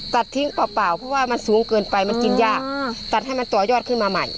ตัดทิ้งเปล่าเพราะว่ามันสูงเกินไปมันกินยากตัดให้มันต่อยอดขึ้นมาใหม่